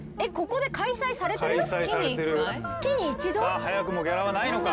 さあ早くもギャラはないのか？